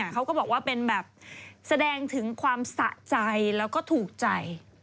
เขาก็บอกว่าเป็นแบบแสดงถึงความสะใจแล้วก็ถูกใจ